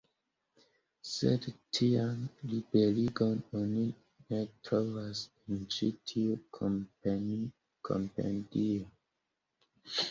Sed tian liberigon oni ne trovas en ĉi tiu Kompendio.